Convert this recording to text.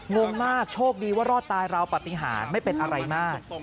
งงมากโชคดีว่ารอดตายราวปฏิหารไม่เป็นอะไรมาก